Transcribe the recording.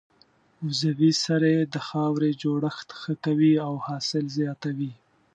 عضوي سرې د خاورې جوړښت ښه کوي او حاصل زیاتوي.